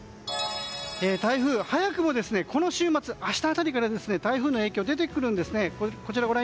台風が早くもこの週末明日辺りから台風の影響が出てくるんですね。